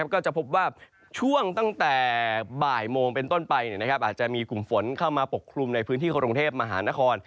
ก็จะพบว่าช่วงตั้งแต่บ่ายโมงเป็นต้นไปอาจจะมีกลุ่มฝนเข้ามาปกคลุมในพื้นที่กรุงเทพมหานคร